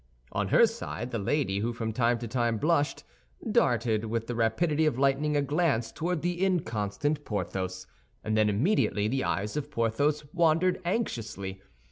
On her side the lady, who from time to time blushed, darted with the rapidity of lightning a glance toward the inconstant Porthos; and then immediately the eyes of Porthos wandered anxiously.